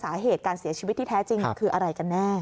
สาเหตุการเสียชีวิตที่แท้จริงคืออะไรกันแน่